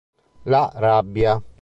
La rabbia